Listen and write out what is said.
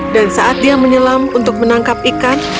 dan saat dia menyelam untuk menangkap ikan